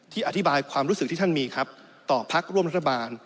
อธิบายความรู้สึกที่ท่านมีครับต่อพักร่วมรัฐบาล